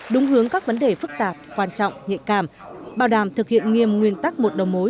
đúng hướng các vấn đề phức tạp quan trọng nhẹ cảm bảo đảm thực hiện nghiêm nguyên tắc một đầu mối